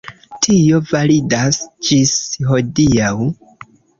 Tio validas ĝis hodiaŭ.